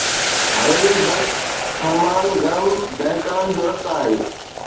حويلي برق خرمان گرم دهقان جو رت آهي